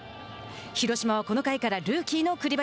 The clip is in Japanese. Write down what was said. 広島はこの回からルーキーの栗林。